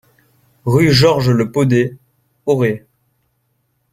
Rue Georges Le Poder, Auray